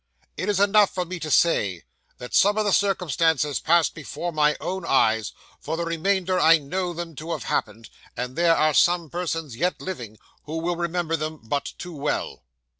It is enough for me to say that some of its circumstances passed before my own eyes; for the remainder I know them to have happened, and there are some persons yet living, who will remember them but too well.